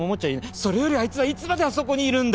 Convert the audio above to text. それよりあいつはいつまであそこにいるんだ！